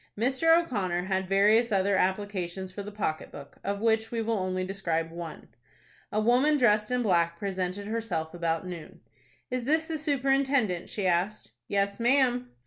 Mr. O'Connor had various other applications for the pocket book, of which we will only describe one. A woman dressed in black presented herself about noon. "Is this the superintendent?" she asked. "Yes, ma'am."